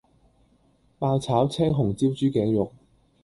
爆炒青紅椒豬頸肉